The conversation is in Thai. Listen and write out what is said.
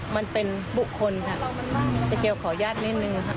มันเป็นบุคคลค่ะเจ๊เกียวขออนุญาตนิดนึงค่ะ